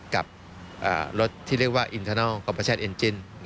กับรถที่เรียกว่าอินเทอร์เนอร์คอปเปอร์ชาร์จเอนจิ้น